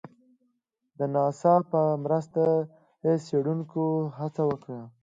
د ناسا په مرسته څېړنکو هڅه وکړه